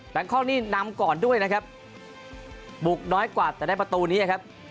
คอกนี่นำก่อนด้วยนะครับบุกน้อยกว่าแต่ได้ประตูนี้ครับ